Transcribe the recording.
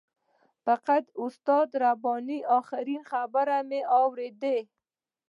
فقط د استاد رباني آخري خبرې مې واورېدې.